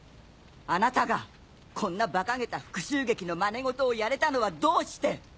あなたがこんなばかげた復讐劇の真似事をやれたのはどうして？